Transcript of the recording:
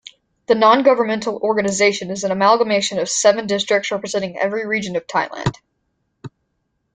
The non-governmental organization is an amalgamation of seven districts representing every region of Thailand.